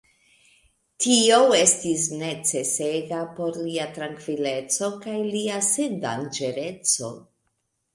Tio estis necesega por lia trankvileco kaj lia sendanĝereco.